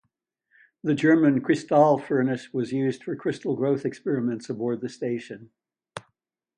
The German "Kristall" furnace was used for crystal growth experiments aboard the station.